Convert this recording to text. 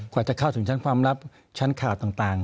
กว่าจะเข้าถึงชั้นความลับชั้นข่าวต่าง